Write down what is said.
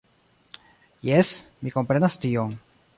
Jes, mi komprenas tion.